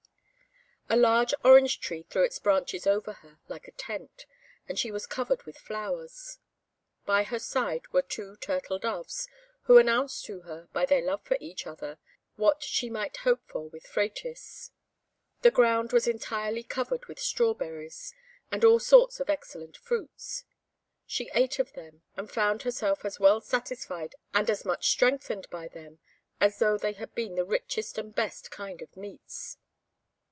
A large orange tree threw its branches over her like a tent, and she was covered with flowers. By her side were two turtle doves, who announced to her, by their love for each other, what she might hope for with Phratis. The ground was entirely covered with strawberries and all sorts of excellent fruits; she ate of them, and found herself as well satisfied and as much strengthened by them as though they had been the richest and best kind of meats.